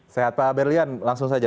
sehat pak berlian langsung saja